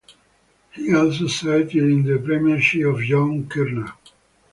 He also served during the premiership of Joan Kirner.